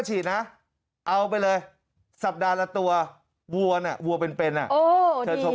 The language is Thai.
ถึงบ้านสพรองครับติดบ้านสพรอง